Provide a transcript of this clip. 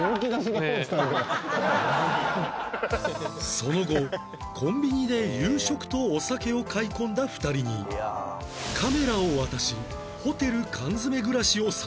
その後コンビニで夕食とお酒を買い込んだ２人にカメラを渡し